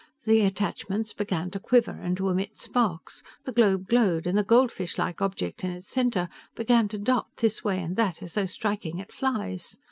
The attachments began to quiver and to emit sparks; the globe glowed, and the goldfishlike object in its center began to dart this way and that as though striking at flies.